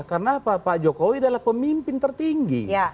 karena pak jokowi adalah pemimpin tertinggi